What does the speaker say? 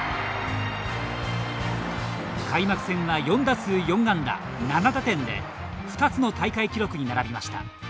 開幕戦は４打数４安打７打点で２つの大会記録に並びました。